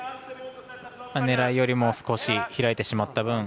狙いよりも少し開いてしまった分